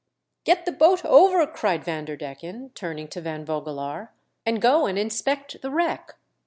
" Get the boat over," cried Vanderdecken, turning to Van Vogelaar. "and go and inspect the wreck.